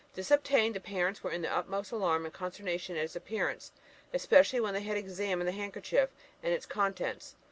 This obtained, the parents were in the utmost alarm and consternation at his appearance, especially when they had examined the handkerchief and its contents.